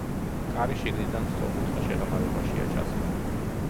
კარი შიგნიდან სწორკუთხა შეღრმავებაშია ჩასმული.